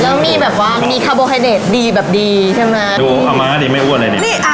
แล้วมีแบบว่ามีดีแบบดีใช่ไหมดูอ้าวหมาดีไม่อ้วนเลยนี่อ่ะ